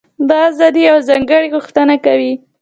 دا ازادي یوه ځانګړې غوښتنه کوي.